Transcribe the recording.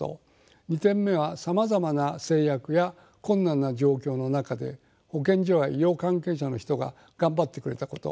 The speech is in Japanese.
２点目はさまざまな制約や困難な状況の中で保健所や医療関係者の人ががんばってくれたこと。